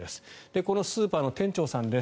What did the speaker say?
このスーパーの店長さんです。